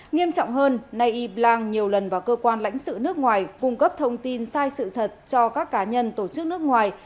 nghiêm trọng hơn nay y blang nhiều lần vào cơ quan lãnh sự nước ngoài cung cấp thông tin sai sự thật cho các cá nhân tổ chức nước ngoài